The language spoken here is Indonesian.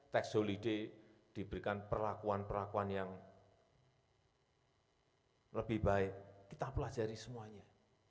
tax holiday diberikan perlakuan perlakuan yang lebih baik kita pelajari semuanya